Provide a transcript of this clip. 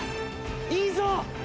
いいぞ。